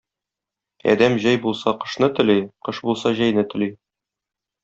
Адәм җәй булса кышны тели, кыш булса җәйне тели.